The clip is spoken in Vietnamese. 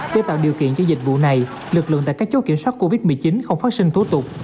để tạo điều kiện cho dịch vụ này lực lượng tại các chốt kiểm soát covid một mươi chín không phát sinh tố tục